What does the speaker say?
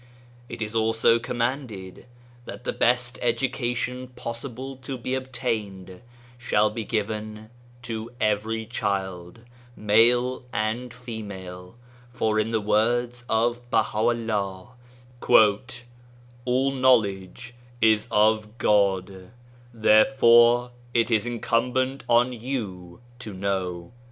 It is also commanded that the best education possible to be obtained shall be given to every child, male and female ; for in the words of Baha'u'llah, "All knowledge is of God, therefore it is incumbent on you to know."